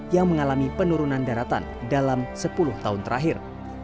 yang mengalami penurunan daratan dalam sepuluh tahun terakhir